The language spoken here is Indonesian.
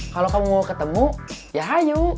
kalau kamu mau ketemu ya ayo